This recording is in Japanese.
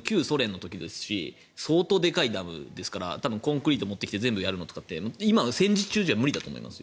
旧ソ連の時ですし相当でかいダムですからコンクリート持ってきてやるのは戦時中では無理だと思います。